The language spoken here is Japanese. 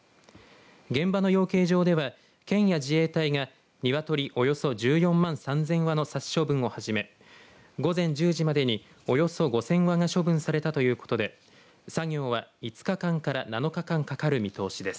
現場の養鶏場では県や自衛隊がニワトリおよそ１４万３０００羽の殺処分を始め、午前１０時までにおよそ５０００羽が処分されたということで作業は５日間から７日間かかる見通しです。